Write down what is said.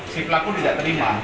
si pelaku tidak terima